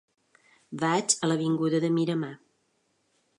Vaig a l'avinguda de Miramar.